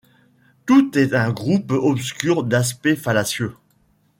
Tout est un groupe obscur d’aspects fallacieux ;